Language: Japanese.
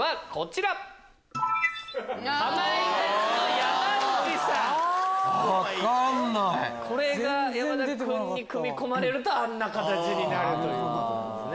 山田君に組み込まれるとあんな形になるということですね。